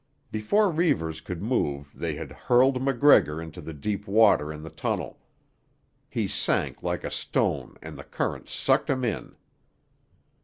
Before Reivers could move they had hurled MacGregor into the deep water in the tunnel. He sank like a stone and the current sucked him in.